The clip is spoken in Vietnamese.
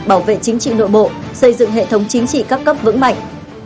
bảo vệ chính trị nội bộ xây dựng hệ thống chính trị các cấp vững mạnh